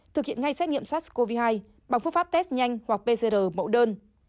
thực hiện ngay xét nghiệm sars cov hai bằng phương pháp test nhanh hoặc pcr mẫu đơn